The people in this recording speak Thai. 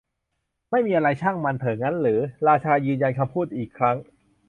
ไม่มีอะไร ช่างมันเถอะงั้นรึ ? ราชายืนยันคำพูดอีกครั้ง